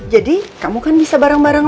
jadi kamu kan bisa barang barang